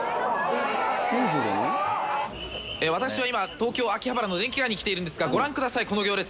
私は今、東京・秋葉原の電気街に来ているんですが、ご覧ください、この行列。